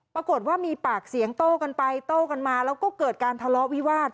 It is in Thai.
ปรากฏว่ามีปากเสียงโต้กันไปโต้กันมาแล้วก็เกิดการทะเลาะวิวาส